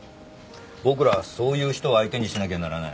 僕らはそういう人を相手にしなきゃならない。